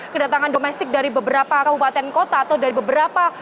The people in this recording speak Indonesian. kedatangan domestik dari beberapa kabupaten kota atau berberapa